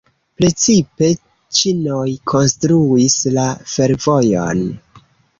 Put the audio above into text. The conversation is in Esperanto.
Precipe ĉinoj konstruis la fervojon.